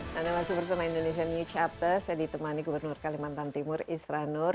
nah kita langsung bersama indonesian new charter saya ditemani gubernur kalimantan timur isra nur